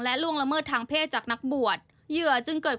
และล่วงละเมิดทางเพศจากนักบวช